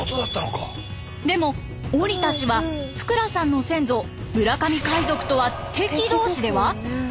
でも織田氏は福羅さんの先祖村上海賊とは敵同士では？